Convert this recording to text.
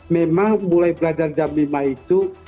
memang mulai belajar jam lima itu